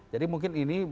jadi mungkin ini